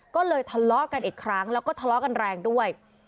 ก็เลยทะเลาะกันอีกครั้งแล้วก็ทะเลาะกันแรงด้วย